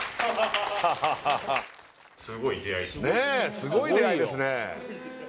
すごい出会いですね